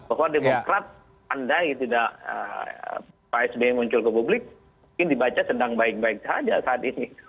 bahwa demokrat andai tidak pak sby muncul ke publik mungkin dibaca sedang baik baik saja saat ini